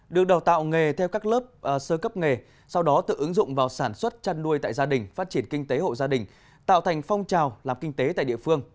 được đào tạo nghề theo các lớp sơ cấp nghề sau đó tự ứng dụng vào sản xuất chăn nuôi tại gia đình phát triển kinh tế hộ gia đình tạo thành phong trào làm kinh tế tại địa phương